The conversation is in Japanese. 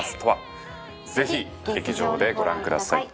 奈緒・齊藤：ぜひ、劇場でご覧ください。